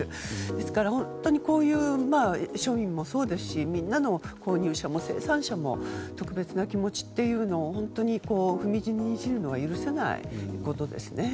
ですから本当にこういう庶民もそうですし購入者も、生産者も特別な気持ちを本当に踏みにじるのは許せないことですね。